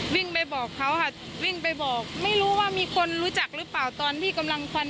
วิ่งไปบอกเขาค่ะวิ่งไปบอกไม่รู้ว่ามีคนรู้จักหรือเปล่าตอนที่กำลังควัน